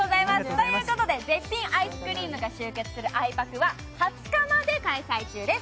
ということで絶品アイスクリームが集結するあいぱくは２０日まで開催中です。